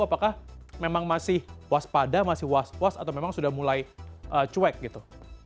apakah memang masih waspada masih was was atau memang sudah mulai cuek gitu